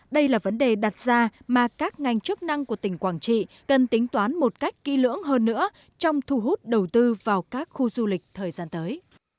đây là vấn đề đặt ra mà các ngành chức năng của tỉnh quảng trị cần tính toán một cách kỹ lưỡng hơn nữa trong thu hút đầu tư vào các khu du lịch thời gian tới